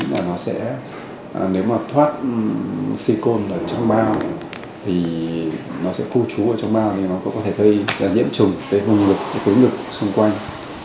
nếu mà thoát si côn ở trong bao thì nó sẽ khu trú ở trong bao thì nó có thể gây ra nhiễm trùng cái vùng ngực cái túi ngực xung quanh